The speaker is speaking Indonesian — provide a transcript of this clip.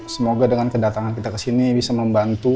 semoga dengan kedatangan kita kesini bisa membantu